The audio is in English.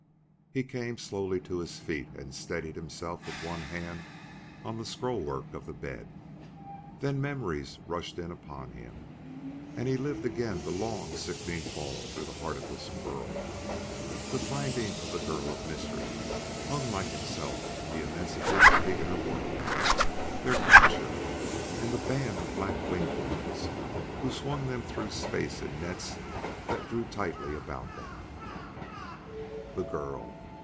He came slowly to his feet and steadied himself with one hand on the scrollwork of the bed. Then memories rushed in upon him, and he lived again the long, sickening fall through the heart of this world, the finding of the girl of mystery, hung like himself in the immensity of the inner world, their capture; and the band of black winged ones who swung them through space in nets that drew tightly about them. The girl!